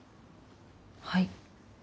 はい。